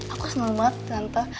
aku seneng banget tante